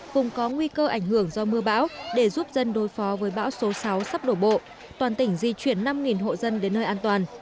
vùng có nguy cơ ảnh hưởng do mưa bão để giúp dân đối phó với bão số sáu sắp đổ bộ toàn tỉnh di chuyển năm hộ dân đến nơi an toàn